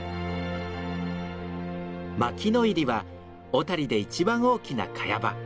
牧の入は小谷で一番大きなカヤ場。